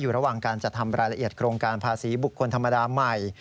ระหว่างการจัดทำรายละเอียดโครงการภาษีบุคคลธรรมดาใหม่